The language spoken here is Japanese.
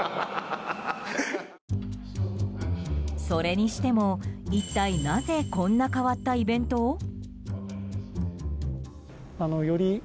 それにしても、一体なぜこんな変わったイベントを？